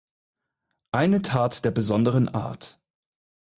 Eine Tat der besonderen Art.